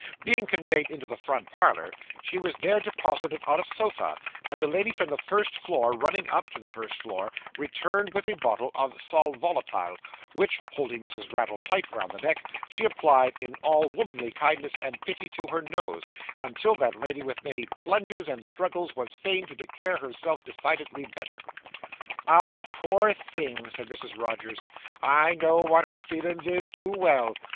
Being conveyed into the front parlour, she was there deposited on a sofa; and the lady from the first floor running up to the first floor, returned with a bottle of sal volatile, which, holding Mrs. Raddle tight round the neck, she applied in all womanly kindness and pity to her nose, until that lady with many plunges and struggles was fain to declare herself decidedly better. 'Ah, poor thing!' said Mrs. Rogers, 'I know what her feelin's is, too well.